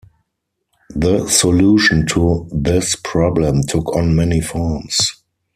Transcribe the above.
The solution to this problem took on many forms.